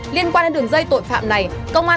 liên quan đến đường dây tội phạm này